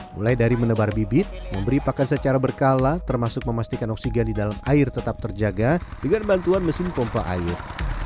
mulai dari menebar bibit memberi pakan secara berkala termasuk memastikan oksigen di dalam air tetap terjaga dengan bantuan mesin pompa air